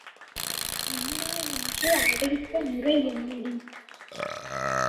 அண்ணா என்று அழைத்த முறை என்னடி?